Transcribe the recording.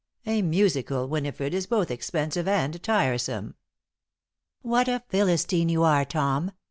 A musical, Winifred, is both expensive and tiresome." "What a Philistine you are, Tom!"